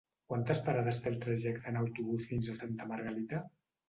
Quantes parades té el trajecte en autobús fins a Santa Margalida?